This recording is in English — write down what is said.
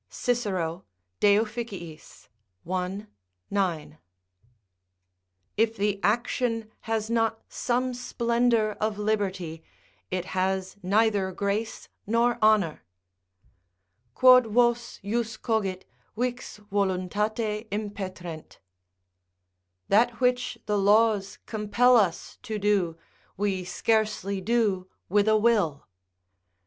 Cicero, De Offic., i. 9.] If the action has not some splendour of liberty, it has neither grace nor honour: "Quod vos jus cogit, vix voluntate impetrent:" ["That which the laws compel us to do, we scarcely do with a will."